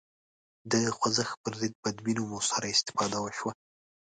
د خوځښت پر ضد بدبینیو موثره استفاده وشوه